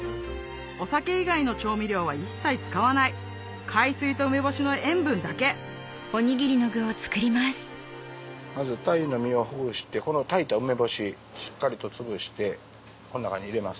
お酒以外の調味料は一切使わない海水と梅干しの塩分だけまず鯛の身をほぐしてこの炊いた梅干ししっかりとつぶしてこの中に入れます。